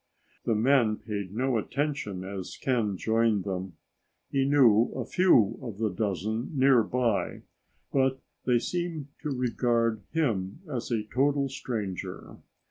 The men paid no attention as Ken joined them. He knew a few of the dozen nearby, but they seemed to regard him as a total stranger.